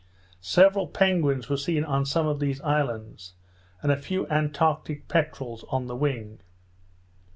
Several penguins were seen on some of these islands, and a few antarctic peterels on the wing.